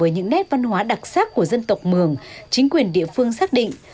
những nét văn hóa đặc sắc của dân tộc mường chính quyền địa phương xác định